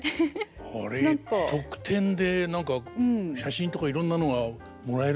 あれ特典で何か写真とかいろんなのがもらえるんじゃないですか。